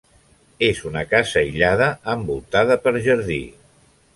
És una casa aïllada envoltada per jardí.